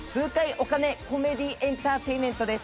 お金コメディ・エンターテイメントです